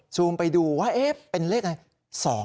ซูมไปดูว่าเอ๊ะเป็นเลขไหน